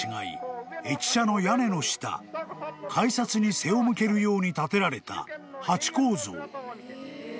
駅舎の屋根の下改札に背を向けるように建てられたハチ公像］